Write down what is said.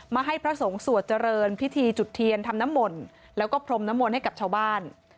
ให้พระสงฆ์สวดเจริญพิธีจุดเทียนทำน้ำมนต์แล้วก็พรมนมลให้กับชาวบ้าน